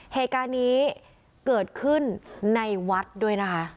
เหตุการณ์นี้เกิดขึ้นในวัดด้วยนะคะ